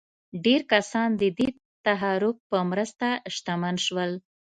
ډېر کسان د دې تحرک په مرسته شتمن شول.